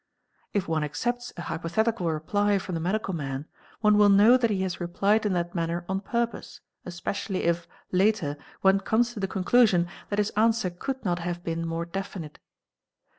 If one accepts a _ hypothetical reply from the medical man, one will know that he has replied in that manner on purpose, especially if, later, one comes to the conclusion that his answer could not have been more definite.